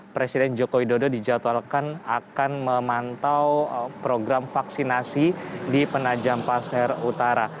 presiden joko widodo dijadwalkan akan memantau program vaksinasi di penajam pasir utara